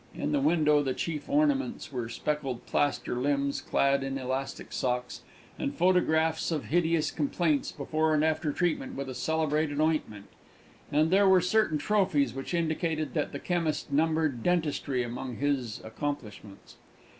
In the window the chief ornaments were speckled plaster limbs clad in elastic socks, and photographs of hideous complaints before and after treatment with a celebrated ointment; and there were certain trophies which indicated that the chemist numbered dentistry among his accomplishments.